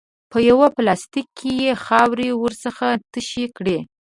په یوه پلاستیک کې یې خاورې ورڅخه تشې کړې.